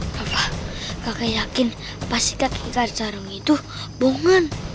bapak kakak yakin pas si kaki kacarung itu bongan